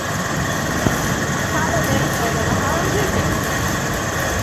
قال زيد: هذا نهار جميل